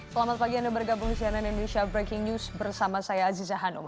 selamat pagi anda bergabung di cnn indonesia breaking news bersama saya aziza hanum